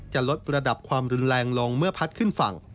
จะลดระดับความรุนแรงลงเมื่อพัดขึ้นฝั่ง